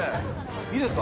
いいですか？